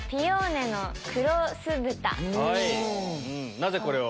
なぜこれを？